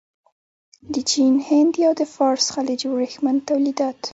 د چین، هند یا د فارس خلیج ورېښمین تولیدات.